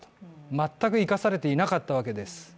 全く生かされていなかったわけです。